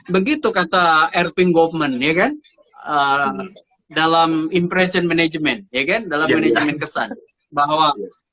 begitu kata erving golman ya kan dalam impression management ya kan dalam menitam kesan bahwa